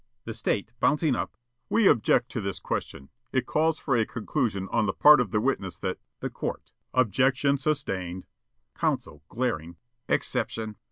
The State, bouncing up: "We object to this question. It calls for a conclusion on the part of the witness that " The Court: "Objection sustained." Counsel, glaring: "Exception."